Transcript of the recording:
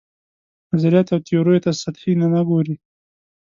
نظریاتو او تیوریو ته سطحي نه ګوري.